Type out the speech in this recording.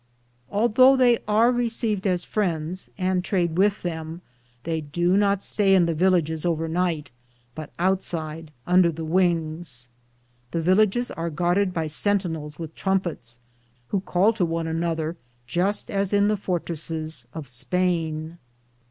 Although they are received as friends, and trade with them, they do not stay in the villages over night, but outside under the wings. The villages are , guarded by sentinels with trumpets, who call to one another just as in the fortresses of Spain.